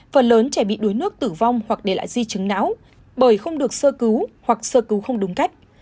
phần lớn trẻ bị đuối nước tử vong hoặc để lại di chứng não bởi không được sơ cứu hoặc sơ cứu không đúng cách